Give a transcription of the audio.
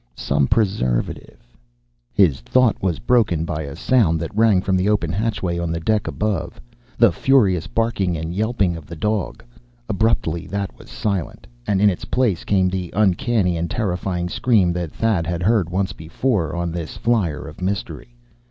Some preservative.... His thought was broken by a sound that rang from the open hatchway on the deck above the furious barking and yelping of the dog. Abruptly that was silent, and in its place came the uncanny and terrifying scream that Thad had heard once before, on this flier of mystery.